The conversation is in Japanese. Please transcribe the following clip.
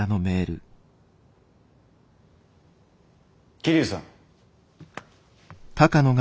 桐生さん。